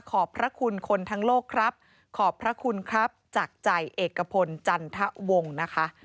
ขอบพระคุณคนทั้งโลกครับขอบพระคุณครับจากใจเอกพลจันทะวงนะคะ